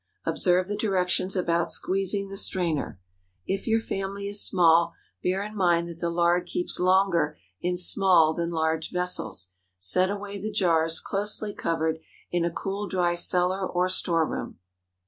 Observe the directions about squeezing the strainer. If your family is small, bear in mind that the lard keeps longer in small than large vessels. Set away the jars, closely covered, in a cool, dry cellar or store room.